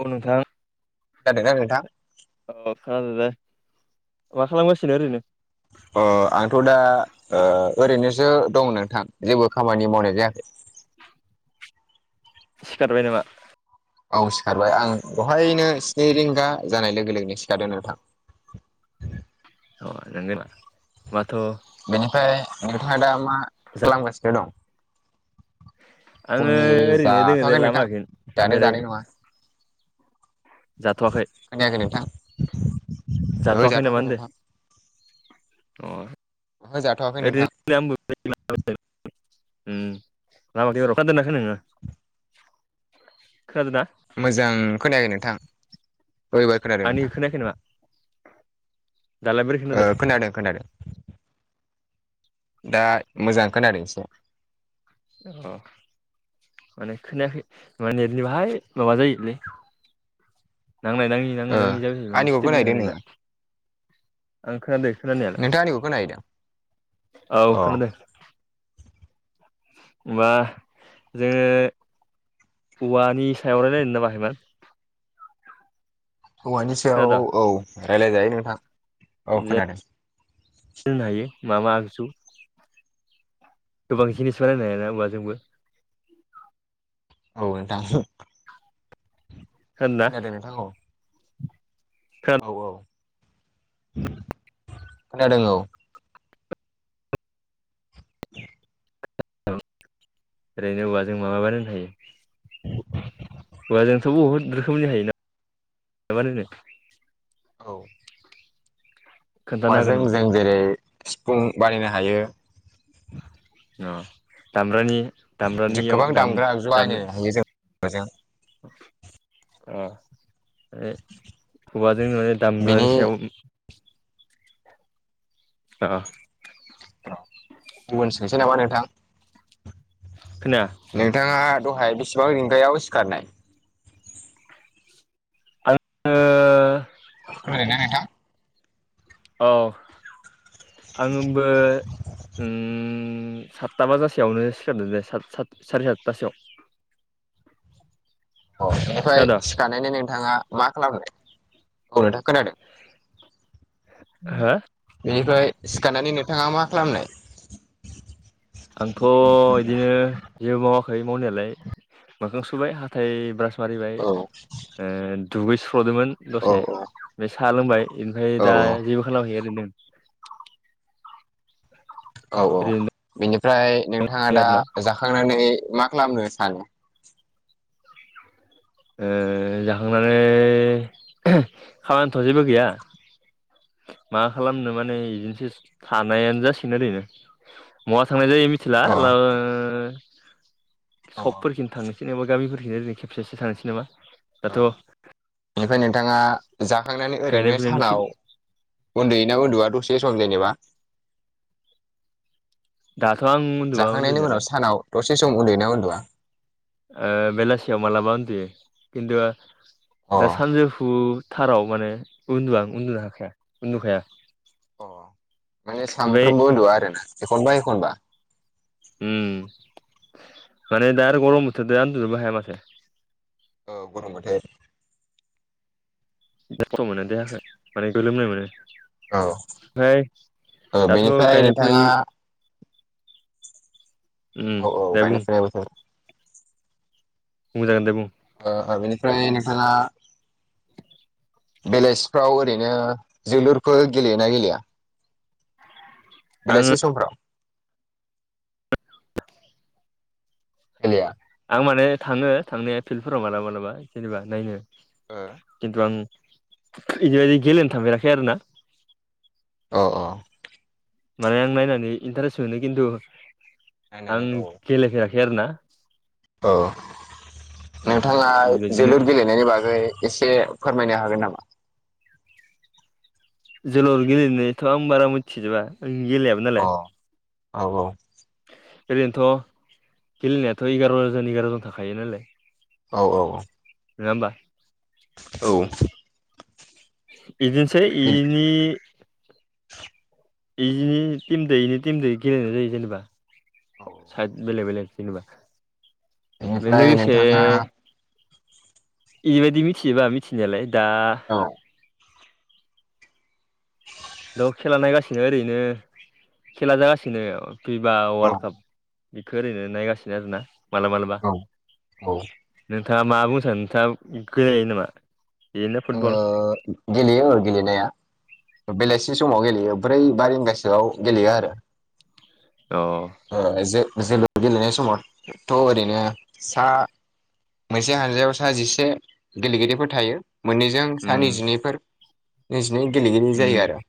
औ नोंथां खोनादोंना नोंथां अ खोनादों दे मा खालामगासिनो ओरैनो आंथ' दा ओरैनोसो दं नोंथां जेबो खामानि मावनाय जायाखै सिखारबाय नामा औ सिखारबाय आं दहायनो स्नि रिंगा जानाय लोगो लोगोनो सिखारदों नोंथां औ नांगला माथ' बेनिफ्राय नोंथाङा दा मा खालामगासिनो दं आङो फुंनि ओरैनो दोङ जाथ'वाखै दे नोंथां लामााखि दानो जानाय बेरायदों नङा खोनायाखै नोंथां जाथ'वाखै नामा होनदो ओजाथखैनोंथां अ हो जाथ'वाखैनो [inaudible] खोनादोंना। मोजां खोनाखै नोंथां। औ एबार खोनादों आंनि नोंथां खोनायाखै नामा दालाय बोरै खोनादों। खोनादों दा मोजां खोनादों एसे। औ। माने खोनायाखै माने नेटनि बाहाय माबा जायोलै। नांलनाय नाङि ओ नांलाय नाङि जाबायसै मान आंनिखौ स्टेबो खोनाहैदों लोंनानै नोङो दा आं खोनादों खोनानायालाय नोंथाङा आंनिखौ खोनाहैदों औ अ खोनादों। होनबा जोङो औवानि सायाव रायलायनो नामा? औवानि सायाव खोनादों औ रायज्लाय जायो नोंथां। औ खोनादों जेल हायो मा मा आगजु। गोबां जिनिस बानायनो हायो जोंबो। औ नोंथां खोनादोंना खोनादों नोंथां औ। खोनादों औ औ खोनादों औ। [inaudible] औ ओरैनो औवाजों मा मा बानायनो हायो। औवा जोंथ' बहुद रोखोमनि हायोना बानायनो। औ। खोन्थानो हागोन औवाजों नामा जों जेरै सिफुं बानायनो हायो। अ दामब्रानि। दामब्रानियाव गोबां दाम दामग्रा आगजु दाम बायनो हायो जों औवाजों। अ माने औवाजों माने बिनि दामग्रानि सायाव अ। गुबुन सोंसै नामा नोंथां? खोनाया। नोंथाङा दहाय बेसेबां रिंगायाव सिखारनाय? आङो खोनादोंना नोंथां? औ आंबो ओम साट सात बाजासेआवनो सिखारदों दे साट सातथासोआव। अ बेनिफ्राय खोनादों सिखारनो नोंथाङा मा खालामो? औ नोंथां खोनादों। हो। बिनिफ्राय सिखारनानै नोंथाङा मा खालामनाय? आंथ' बिदिनो जेबो मावाखै मावनायालाय मोखां सुबाय हाथाय ब्रास मारिबाय औ दुगैस्र'दोंमोन औ दसे साहा लोंबाय। ओमफ्राय औ दा औ जेबो खालामखै ओरैनो दं। औ औ ओरैनो बेनिफ्राय नोंथाङा दं दा आरोना जाखांनानै मा खालामनो सानो। ओ जाखांनानै खामानिथ' जेबो गैया। मा खालामनो माने बिदिनोसो थानायानो जासिगोन ओरैनो बहा थांनाय जायो मिथिला अ औ सकफोरखिनो थांनि। जेनेबा गामिखिनो जाय खेबसेसो थांसै नामा। दाथ' आं बेनिफ्राय नोंथाङा जाखांनानै गायनाय ओरैनो फुनायनिसो सानाव उन्दुयोना उन्दुआ दसे सम जेनेबा? दाथ' आं उन्दुआ जाखांनायनि उनाव उन्दुनायालाय सानाव दसे सम उन्दुयैना उन्दुवा? ओ बेलासियाव मालाबा उन्दुयो। खिन्थु अ दा सानजौफु थाराव माने उन्दु आं उन्दुनो हाखाया उन्दुखाया। अ माने ओमफ्राय सानफ्रामबो उन्दुआ आरोना एखनबा एखनबा। उम माने दा आरो गरम बोथोर दा उन्दुनोबो हाया माथो। औ गरम बोथोर। लेथ्रा मोनो देहाखौ माने गोलोमनाय मोनो। औ फ्राय औ दाथ' बेनिफ्राय गायनाय नोंथाङा फुनायनि उम औ औ दे बुं गायनाय फुनाय बोथोर बुंजागोन दे बुं ओ ओ बेनिफ्राय नोंथाङा बेलासिफ्राव ओरैनो जोलुरफोर गेलेयोना गेलेया? [inaudible] आङो बेलासि समफ्राव [unintelligible] आं माने थाङो थांनाय फिल्डफोराव मालाबा मालाबा जेनेबा नायनो। ओ। खिन्थु आं बिदिबायदि गेलेनो थांफेराखै आरो ना। अ अ। माने आं नायनानै इन्टारेस्ट मोनो खिन्थु आं नायनानै औ गेलेफेराखै आरो ना औ नोंथाङा बिदिबायदिनो जोलुर गेलेनायनि बागै एसे फोरमायनो हागोन नामा? जोलुर गेलेनायथ' आं बारा मिथिजोबा गेलेया अ औ औ ओरैनोथ' गेलेनायाथ' एगार' जन एगार' जन थाखायो नालाय औ औ औ नङा होमबा औ बिदिनोसै इनि इदिनो टिम दायैनो टिम दायै गेलेनाय जायो जेनेबा औ बेलेग बेलेग जेनेबा फाय बेनिफ्राय लोगोसे नोंथाङा इबायदि मिथियोबा मिथिनायालाय दा औ द' खेला नायगासिनो ओरैनो खेला जागासिनो पिपा औ वार्ल्ड काप बेखौ ओरैनो नायगासिनो आरोना मालाबा मालाबा औ नोंथाङा मा बुंनो सानो नोंथाङा गेलेयो नामा बिदिनो फुटबल आङो गेलेयो गेलेनाया बेलासि समाव गेलेयो ब्रै बा रिंगासोआव गेलेयो आरो अ ओ जो-जोलुर गेलेनाय समावथ' ओरैनो सा मोनसे हानजायाव सा जिसे गेलेगिरिफोर थायो मोननैजों सा उम नैजिनैफोर नैजिनै गेलेगिरि उम जायो आरो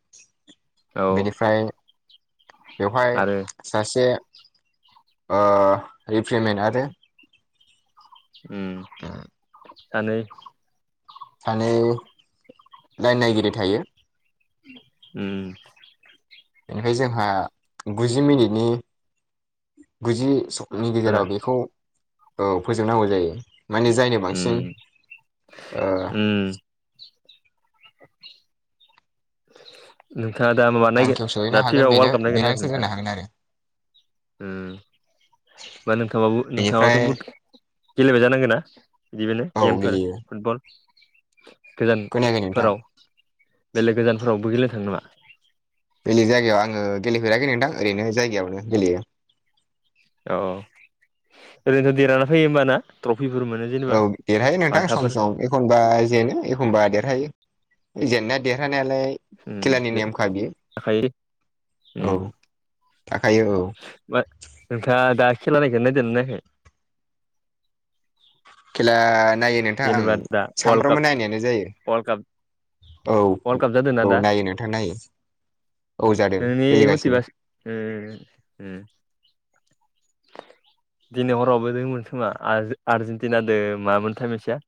औ बेनिफ्राय बेवहाय आरो सासे ओ रिप्रिमेन्ट आरो उम सानै सानै लाइन नायगिरि थायो। उम बेनिफ्राय जोंहा गुजि मिनिटनि गुजि नि आरोना गेजेराव बेखौ ओ फोजोबनांगौ जायो। माने जायनो उम बांसिन ओ उम [inaudible] नोंथाङा दा माबा नागिर थांखियाव सहैनो दा हागोन फिपा बेनो वार्ल्ड कप नायदोंना नायाखै देरहासार जानो नोंथांङा? हागोन आरो उम बा नोंथांबाबो नोंथाङाथ' बेनिफ्राय बुद गेलेबाय जानांगौ ना? बिदि माने औ गेमफोर गेलेयो फुटबल खोनायाखै नोंथां गोजानफोराव बेलेग गोजानफोरावबो गेलेनो थाङो नामा? बेलेग जायगायाव आङो गेलेफेराखै नोंथां ओरैनो जायगायावनो गेलेयो औ ओरैनोथ' देरहाना फैयो होमबाना ट्रफिफोर मोनो औ जेनेबा देरहायो नोंथां सम बान्थाफोर सम एखनबा जेनो एखमबा देरहायो जेननाय देरहानायालाय उम खेलानि नेमखा थाखायो बियो औ थाखायो औ मा नोंथाङा दा खेला नायदोना नायाखै खेला नायो नोंथां आं जेनेबा दा वर्ल्ड काप सानफ्रामबो नायनायानो वर्ल्ड काप जायो औ वर्ल्ड काप जादोंना औ दा नायो नोंथां नायो औ जादों सोलिगासिनो हम उम दिनै हरावबो दंमोन खोमा आर्ज-आर्जेन्टिनाजों मामोनथाइ मोनसेया?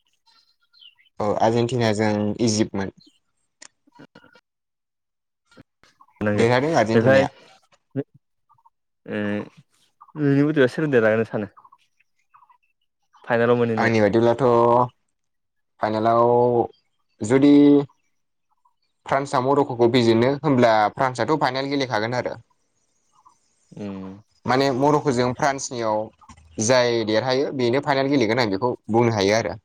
औ आर्जेेनटिनाजों इजिप्तटमोन। लोगो देरहादों ओमहफ्राय आर्जेेनटिनाया ओ नोंनि बादिबा सोरोदेरहागोन सानो - [inaudible] आंनि बाददिब्लाथ' फाइनालाव जुदि फ्रान्स आ म रख'खौ बिजिनो होमब्ला फ्रान्सथ' फाइनाेल गेलेखागोन आरो उम माने म रख'जों फ्रान्सनियाव जाय देरहायो बेनो फाइनाल गेलेगोन आं बेखौ बुंनो हायो आरो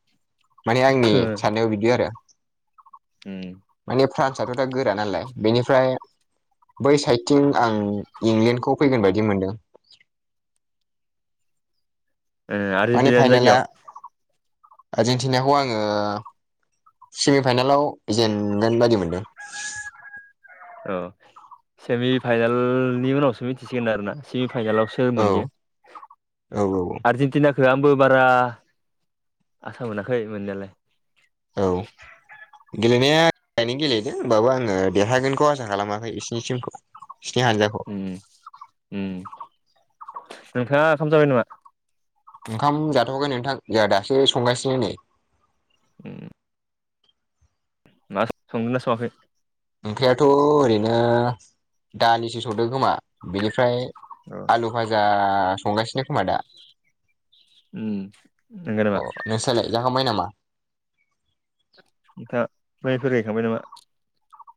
माने आंनि साननायाव बिदि आरो उम माने फ्रान्सआथ' दा गोरा नालाय बेनिफ्राय बै साइडथिं आं इंलेण्ड खौ फैगोन बायदि मोन्दों ओ माने आर्जेन्टिनानि फाइनाला जायगायाव आर्जेनटिनाखौ आङो सेमि फाइनेलाव जेनगोन बायदि मोनदों औ सेमि फाइनालनि उनावसो मिथिसिगोन आरोना सेमि फाइनेलावसो सोरमोन औ इयो औ आरजन्टिना आंबो बारा आसा मोनाखै मोननायालाय औ गेलेनाया नो गेलेदो होमबाबो आङो देरहागोनखौ आसा खालामाखै इसिनिसिम स्नि जाखखौ उम उम नोंथाङा ओंखाम जाबाय नामा ओंखाम जाथ'आखै नोंथां जोंहा दासो संगासिनो नै उम मा संगोन ना संआखै? ओंख्रियाथ' ओरैनो दालिसो सौदो खोमा बेनिफ्राय अ आलु बाजा संगासिनो खोमा दा उम अ नंगोनामा? नोंस्रालाय जाखांबाय नामा? सा माइफोर गायखांबाय नामा?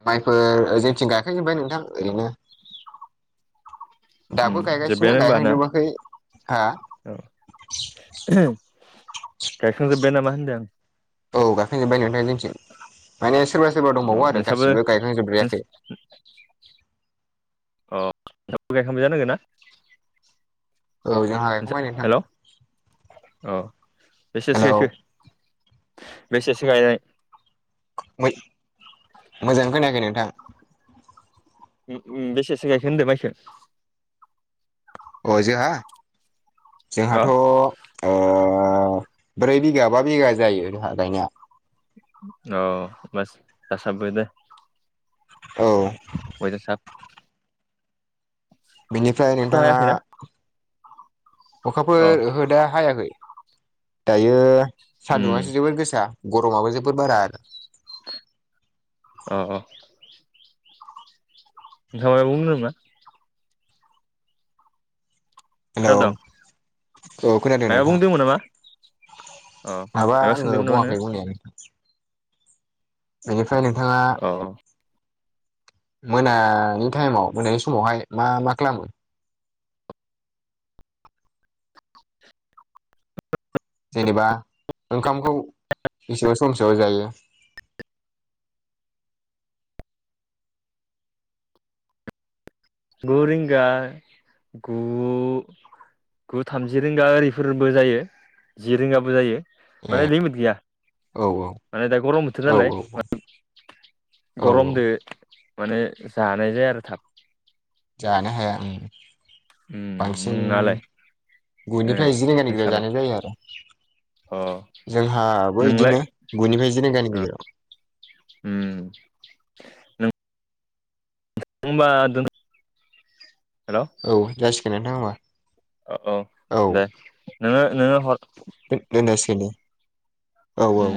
माइफोर ओ जोंथिं गायखायजोबबाय नोंथां ओरैनो उम दाबो गायगासिनो जोब्बायानो होमबा ना गायहांजोबाखै हा औ गायखांजोब्बाय नामा होनदो आं औ गायखांजोब्बाय नोंथां जोंनिथिं माने सोरबा सोरबा आं दंबावो अ आरो नोंसाबो गासिबो गायखांजोबद्रायाखै [inaudible] अ नों मोजांयैनो दोंओ ना औ जोंहा नोंसा गायखांबाय नोंथां हेल' औ बेसेसो हेलौ गायखो बेसेसो गायनाय मोजाङै खोनायाखै नोंथां बेसेसो गायखो होनदो माइखो अ जोंहा अ जोंहाथ' ओ ब्रै बिगा बा बिगा जायो जोंहा गायनाया औ बास जासाबबो दे औ। अयथ साब बेनिफ्राय नोंथाङा हायाखैना अ अखाफोर होदो हायाखै दायो उम सानदुंआसो जोबोर गोसा गरमाबो जोबोर बारा आरो। औ औ नोंथांआ मायाबा बुंदोंमोन्ना खोनादों हेल' औ खोनादों माबा नोंथां बुंदोंमोन नामा अ माबा आङो सोंदोंमोन नामा नोङो बङाखै बुंनायानो बेनिफ्राय नोंथाङा अ मोनानि टाइमाव मोनानि समावहाय मा मा खालामो जेनेबा ओंखामखौ बेसेबां समसेयाव जायो। गु रिंगा गु गु थामजि रिंगा ओरिफोरबो जायो जि रिंगाबो जायो। ए माने लिमिट गैया औ माने दा गरम बोथोर औ नालाय औ गरमदो माने जानाय जाया आरो थाब जानो हाया आं उम बांसिन नोंनालाय ए गुनिफ्राय जि रिंगानि गेजाव नोंसालाय जानाय जायो आरो अ जोंहाबो नोंलाय इदिनो गुनिफ्राय जि रिंगानि गेजेराव हम न होमबा हेल' औ जासिगोन नोंथां होमा औ औ दे नोङो नोङो हर दोनसगैनो औ औ उम